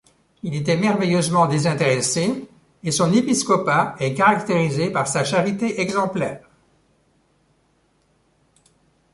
Il était merveilleusement désintéressé et son épiscopat est caractérisé par sa charité exemplaire.